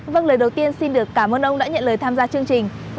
vâng lời đầu tiên xin được cảm ơn ông đã nhận lời tham gia chương trình